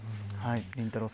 りんたろー。